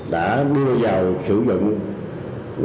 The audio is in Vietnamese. đã đưa vào sử dụng